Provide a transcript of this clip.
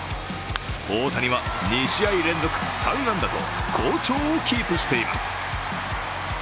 大谷は２試合連続３安打と好調をキープしています。